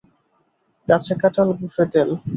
গাছে কাঁঠাল গোঁফে তেল।